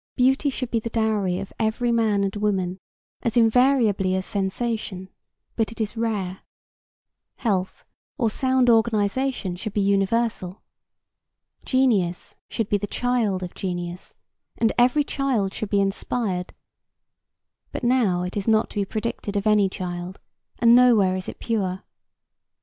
Beauty should be the dowry of every man and woman, as invariably as sensation; but it is rare. Health or sound organization should be universal. Genius should be the child of genius and every child should be inspired; but now it is not to be predicted of any child, and nowhere is it pure.